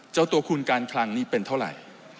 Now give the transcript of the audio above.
จะเอาตัวคูณการคลังนี้เป็นเท่าไร